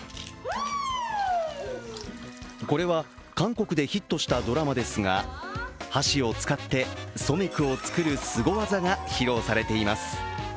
これは韓国でヒットしたドラマですが箸を使ってソメクを造るすご技が披露されています。